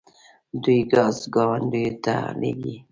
دوی ګاز ګاونډیو ته لیږي.